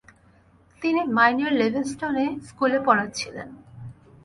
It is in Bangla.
তিনি মাইনের লেভিস্টনে স্কুলে পড়াচ্ছিলেন।